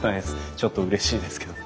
ちょっとうれしいですけど。